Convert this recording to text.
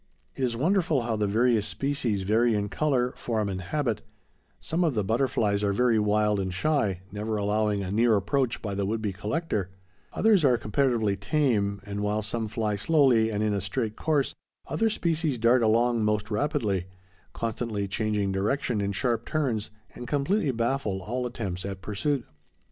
It is wonderful how the various species vary in color, form, and habit; some of the butterflies are very wild and shy, never allowing a near approach by the would be collector; others are comparatively tame; and while some fly slowly and in a straight course, other species dart along most rapidly, constantly changing direction in sharp turns, and completely baffle all attempts at pursuit.